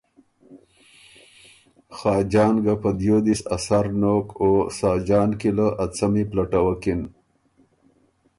خاجان ګۀ په دیو دست ا سر نوک او ساجان کی له ا څمی پلټوکِن۔